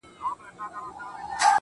o يو يمه خو.